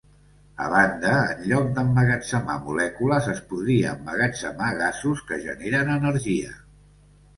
A banda, en lloc d’emmagatzemar molècules, es podria emmagatzemar gasos que generen energia.